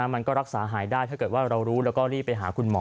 มันก็รักษาหายได้ถ้าเกิดว่าเรารู้แล้วก็รีบไปหาคุณหมอ